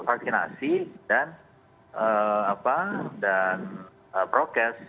vaksinasi dan progress